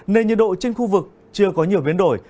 nên nhiệt độ trên khu vực chưa có nhiều biến đổi